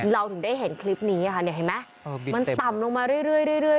เราถึงได้เห็นคลิปนี้อะค่ะเนี่ยเห็นไหมเออมันต่ำลงมาเรื่อยเรื่อยเรื่อย